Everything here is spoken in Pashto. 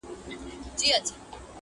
o خر او خنکيانه٫